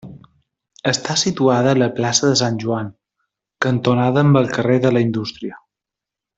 Està situada a la plaça de Sant Joan, cantonada amb el carrer de la Indústria.